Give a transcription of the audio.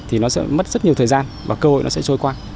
thì nó sẽ mất rất nhiều thời gian và cơ hội nó sẽ trôi qua